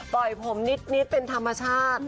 ยผมนิดเป็นธรรมชาติ